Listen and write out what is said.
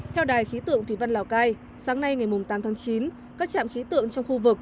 theo đài khí tượng thủy văn lào cai sáng nay ngày tám tháng chín các trạm khí tượng trong khu vực